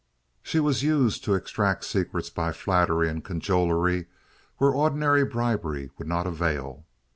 She was used to extract secrets by flattery and cajolery where ordinary bribery would not avail.